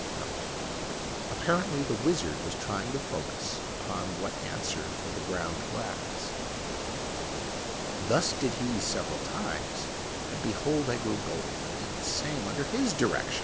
[NOTE: Apparently the "wizard" was trying the focus upon what answered for the ground glass.] Thus did he several times, and behold I grew bold, and did the same under his direction !